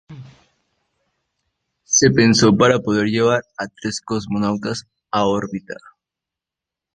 Se pensó para poder llevar a tres cosmonautas a órbita.